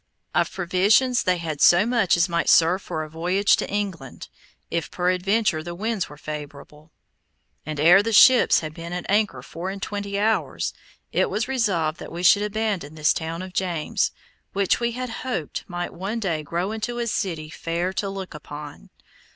Of provisions, they had so much as might serve for a voyage to England, if peradventure the winds were favorable; and ere the ships had been at anchor four and twenty hours, it was resolved that we should abandon this town of James, which we had hoped might one day grow into a city fair to look upon.